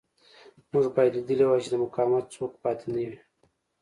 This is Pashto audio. موږ باید لیدلی وای چې د مقاومت څوک پاتې نه وي